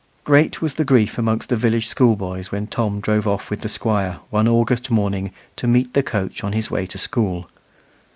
Great was the grief amongst the village school boys when Tom drove off with the Squire, one August morning, to meet the coach on his way to school.